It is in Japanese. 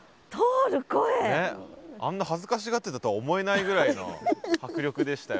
あんな恥ずかしがってたとは思えないぐらいの迫力でしたよ。